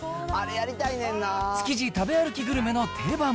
築地食べ歩きグルメの定番。